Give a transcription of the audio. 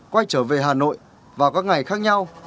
quay trở về hà nội vào các ngày khác nhau